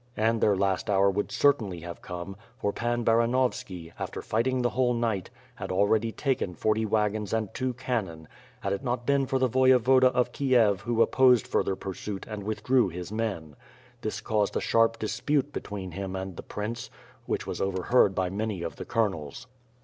And their last hour would certainly have come, for Pan Baranovski, after fighting the whole night, had already taken forty wagons and two cannon, had it not been for the Voyevoda of Kiev who opposed further pursuit and withdrew his men. This caused a sharp dispute between him and the prince, which was overheard by many of the colonels.